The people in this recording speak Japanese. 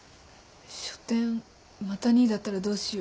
書展また２位だったらどうしよう。